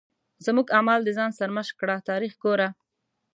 زموږ اعمال د ځان سرمشق کړه تاریخ ګوره.